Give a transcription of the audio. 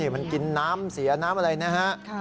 มันกินน้ำเสียน้ำอะไรนะฮะ